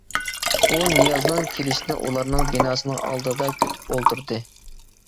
ئۇ نىيازنىڭ كېلىشىنى ئۇلارنىڭ بىناسىنىڭ ئالدىدا كۈتۈپ ئولتۇردى.